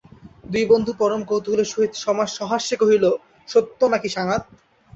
দুই বন্ধু পরম কৌতূহলের সহিত সহাস্যে কহিল, সত্য নাকি সাঙাত।